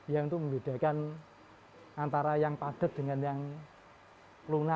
yang itu membedakan antara yang padat dengan yang luna